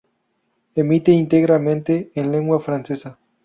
Emite íntegramente en lengua francesa.